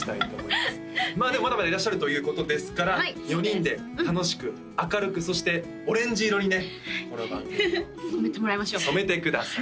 まあでもまだまだいらっしゃるということですから４人で楽しく明るくそしてオレンジ色にねこの番組を染めてください